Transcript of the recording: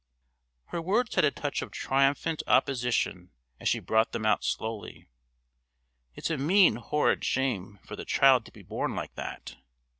Her words had a touch of triumphant opposition as she brought them out slowly. "It's a mean, horrid shame for the child to be born like that.